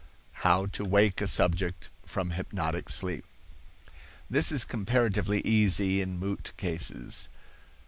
HOW TO WAKE A SUBJECT FROM HYPNOTIC SLEEP. This is comparatively easy in moot cases.